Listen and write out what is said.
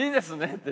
って。